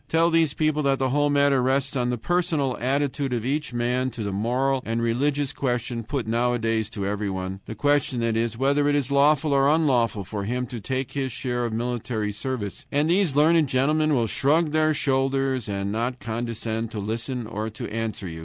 Tell these people that the whole matter rests on the personal attitude of each man to the moral and religious question put nowadays to everyone, the question, that is, whether it is lawful or unlawful for him to take his share of military service, and these learned gentlemen will shrug their shoulders and not condescend to listen or to answer you.